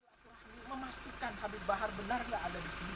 silaturahmi memastikan habib bahar benar nggak ada di sini